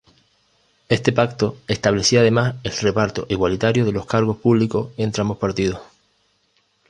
Este pacto, establecía además el reparto igualitario de los cargos públicos entre ambos partidos.